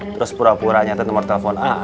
terus pura pura nyatain nomor telepon